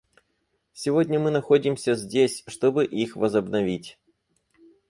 Сегодня мы находимся здесь, чтобы их возобновить.